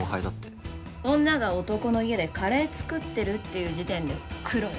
女が男の家でカレー作ってるっていう時点でクロよ。